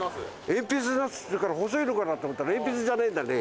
えんぴつナスっていうから細いのかなと思ったらえんぴつじゃねえんだね